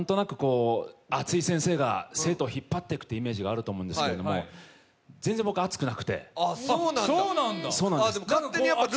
熱い先生が生徒を引っ張っていくというイメージがあると思うんですけれども、僕は全然熱くなくて。